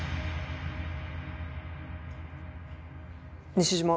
西島？